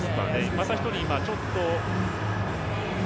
また１人ちょっと。